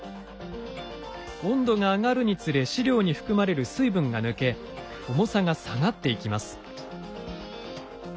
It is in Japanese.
温度が上がるにつれ試料に含まれる水分が抜け重さが下がっていきます。